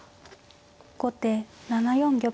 後手７四玉。